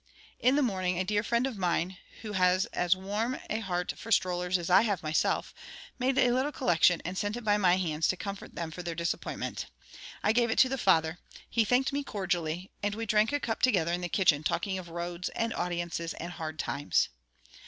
In the morning, a dear friend of mine, who has as warm a heart for strollers as I have myself, made a little collection, and sent it by my hands to comfort them for their disappointment. I gave it to the father; he thanked me cordially, and we drank a cup together in the kitchen, talking of roads, and audiences, and hard times.